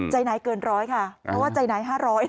ใจนายเกิน๑๐๐ค่ะเพราะว่าใจนาย๕๐๐